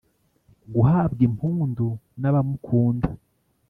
guhabwa impundu n'abamukunda